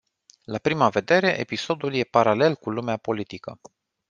La prima vedere, episodul e paralel cu lumea politică.